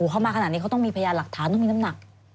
เขามาขนาดนี้เขาต้องมีพยานหลักฐานต้องมีน้ำหนัก